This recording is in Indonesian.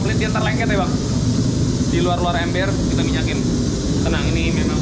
penelitian terlengket ya bang di luar luar ember kita minyakin tenang ini memang